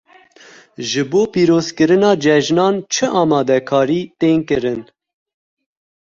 Ji bo pîrozkirina cejnan çi amadekarî tên kirin?